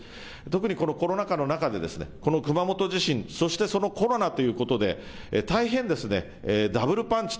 特にこのコロナ禍の中でこの熊本地震、そしてそのコロナということで、大変、ダブルパンチ。